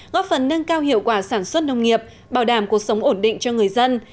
góp phần nâng cao hiệu quả sản xuất nông nghiệp bảo đảm cuộc sống ổn định cho người dân